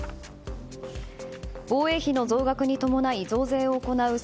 防衛費の増額に伴い増税を行う姓